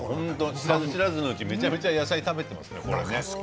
知らず知らずのうちにめちゃくちゃ野菜食べてますね。